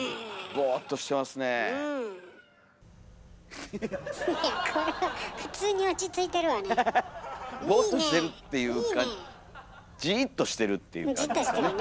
ボーっとしてるっていうかじーっとしてるっていう感じですよね。